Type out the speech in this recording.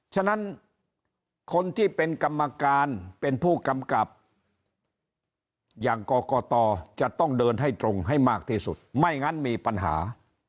ฉะนั้นคนที่เป็นกรรมการเป็นผู้กำกับอย่างกรกตจะต้องเดินให้ตรงให้มากที่สุดไม่งั้นมีปัญหา